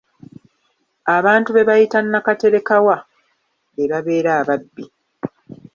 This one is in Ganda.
Abantu be bayita nakaterekawa be babeera ababbi.